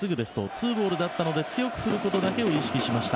２ボールだったので強く振ることだけを意識しました